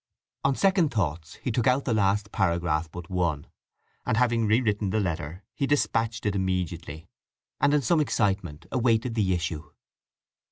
On second thoughts he took out the last paragraph but one; and having rewritten the letter he dispatched it immediately, and in some excitement awaited the issue.